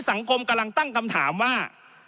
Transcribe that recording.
สังคมกำลังตั้งคำถามว่า